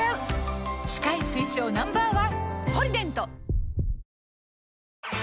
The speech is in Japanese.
歯科医推奨 Ｎｏ．１！